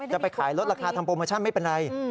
จะไปขายลดราคาทำโปรโมชั่นไม่เป็นไร